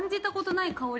いい香り。